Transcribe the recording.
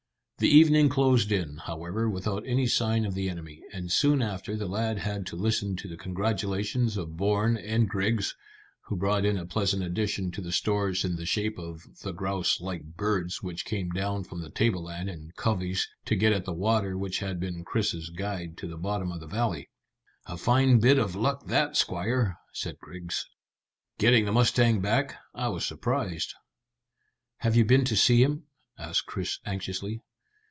The evening closed in, however, without any sign of the enemy, and soon after the lad had to listen to the congratulations of Bourne and Griggs, who brought in a pleasant addition to the stores in the shape of the grouse like birds which came down from the tableland in coveys to get at the water which had been Chris's guide to the bottom of the valley. "A fine bit of luck that, squire," said Griggs, "getting the mustang back. I was surprised." "Have you been to see him?" asked Chris anxiously.